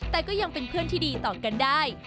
แต่ก็ยังเป็นเพื่อนที่ดีต่อกันได้